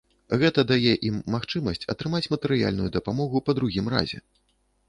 Гэта дае ім магчымасць атрымаць матэрыяльную дапамогу па другім разе.